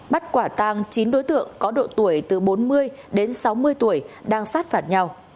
bắt quả tang chín đối tượng có độ tuổi từ bốn mươi đến sáu mươi tuổi đang sát phạt nhau